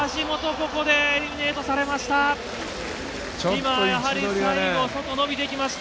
ここでエリミネートされました。